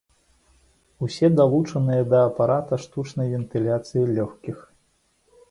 Усе далучаныя да апарата штучнай вентыляцыі лёгкіх.